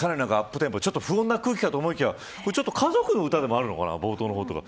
テンポ不穏な空気かと思いきや家族の歌でもあるのかな。